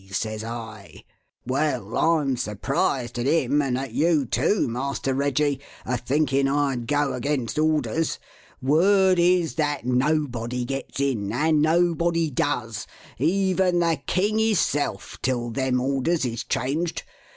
says I. 'Well, I'm surprised at him and at you, too, Master Reggie, a thinking I'd go against orders. Word is that nobody gets in; and nobody does, even the king hisself, till them orders is changed.